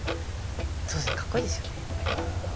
そうですねかっこいいですよねやっぱり。